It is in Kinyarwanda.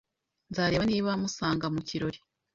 Nzareba niba musanga mu kirori.